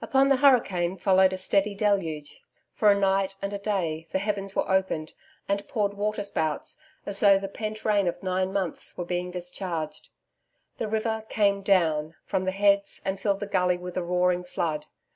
Upon the hurricane followed a steady deluge. For a night and a day, the heavens were opened, and poured waterspouts as though the pent rain of nine months were being discharged. The river 'came down' from the heads and filled the gully with a roaring flood.